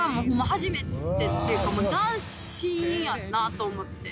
初めてっていうか斬新やんなと思って。